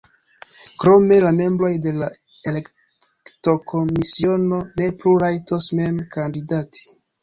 Krome la membroj de la elektokomisiono ne plu rajtos mem kandidati.